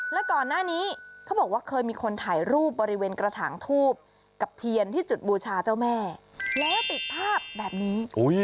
แล้วก่อนหน้านี้เขาบอกว่าเคยมีคนถ่ายรูปบริเวณกระถางทูบกับเทียนที่จุดบูชาเจ้าแม่แล้วติดภาพแบบนี้